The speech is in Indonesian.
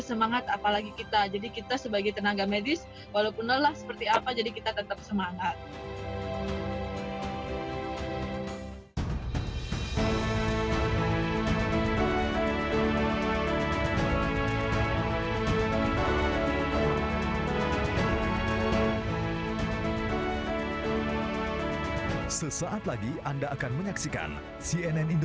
semangat apalagi kita jadi kita sebagai tenaga medis walaupun lelah seperti apa jadi kita tetap semangat